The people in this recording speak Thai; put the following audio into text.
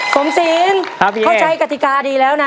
สมศีลเข้าใจกฎิกาดีแล้วนะ